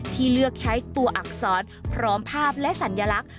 ที่เลือกใช้ตัวอักษรพร้อมภาพและสัญลักษณ